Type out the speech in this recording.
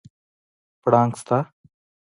پړانګ سته؟